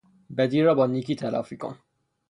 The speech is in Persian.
بدی را با نیکی تلافی کن!